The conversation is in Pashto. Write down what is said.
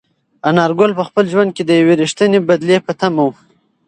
انارګل په خپل ژوند کې د یوې رښتینې بدلې په تمه و.